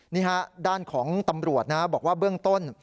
นี่ฮะด้านของตำรวจนะบอกว่าเบื้องต้น